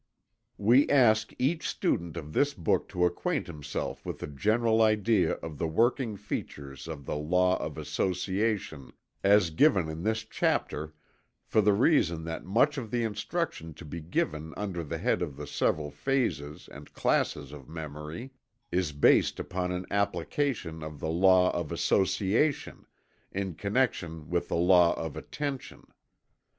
We ask each student of this book to acquaint himself with the general idea of the working features of the law of association as given in this chapter for the reason that much of the instruction to be given under the head of the several phases and classes of memory is based upon an application of the Law of Association, in connection with the law of Attention.